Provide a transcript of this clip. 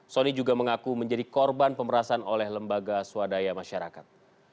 sony juga mengaku menjadi korban pemerasan oleh lembaga swadaya masyarakat